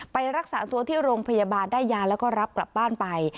ไปรักษาตัวที่โรงพยาบาลได้ยาแล้วก็รับกลับบ้านไป